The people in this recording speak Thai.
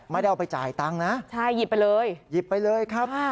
ไม่ได้เอาไปจ่ายตังค์นะใช่หยิบไปเลยหยิบไปเลยครับ